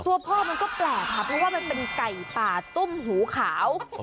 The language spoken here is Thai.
ตัวพ่อมันก็แปลกค่ะเพราะว่ามันเป็นไก่ป่าตุ้มหูขาว